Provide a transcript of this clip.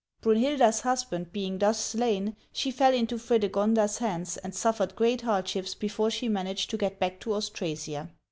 Brunhilda's husband being thus slain, she fell into Fre degonda^s hands, and suffered great hardships before she managed to get back to Austrasia.